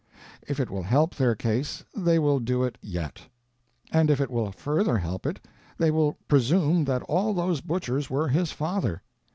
If it will help their case they will do it yet; and if it will further help it, they will "presume" that all those butchers were his father.